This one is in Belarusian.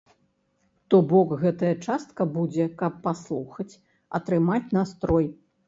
То бок, гэтая частка будзе, каб паслухаць, атрымаць настрой.